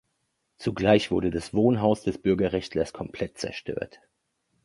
Zugleich wurde das Wohnhaus des Bürgerrechtlers komplett zerstört.